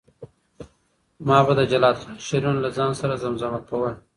ما به د جلات خان شعرونه له ځان سره زمزمه کول.